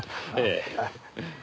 ええ。